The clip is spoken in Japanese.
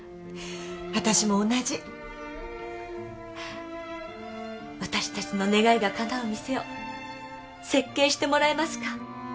私も同じ私達の願いがかなう店を設計してもらえますか？